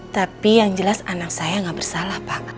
tapi yang jelas anak saya gak bersalah pak